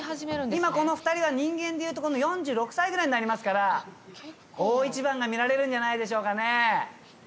今２人は人間でいう４６歳ぐらいになりますから大一番が見られるんじゃないでしょうかね。